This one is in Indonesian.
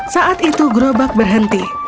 saat itu gerobak berhenti